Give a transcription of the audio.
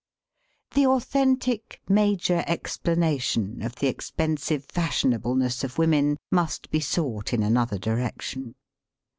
The authentic major explanation of the ex pensive f ashionableness of women must be sought in another direction.